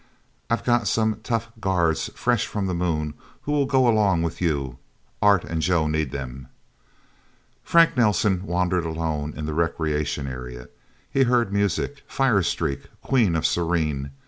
I've got some tough guards, fresh from the Moon, who will go along with you. Art and Joe need them..." Frank Nelsen wandered alone in the recreation area. He heard music Fire Streak, Queen of Serene...